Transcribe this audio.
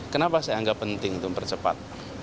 kenapa saya anggap penting untuk mempercepat